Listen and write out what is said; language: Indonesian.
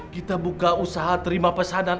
kita buka usaha terima pesanan